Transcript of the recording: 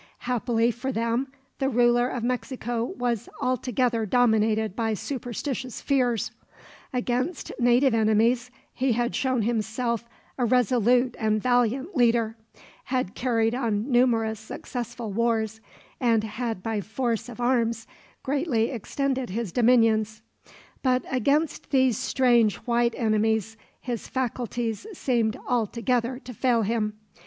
Happily for them, the ruler of Mexico was altogether dominated by superstitious fears. Against native enemies he had shown himself a resolute and valiant leader, had carried on numerous successful wars, and had by force of arms greatly extended his dominions; but against these strange white enemies, his faculties seemed altogether to fail him.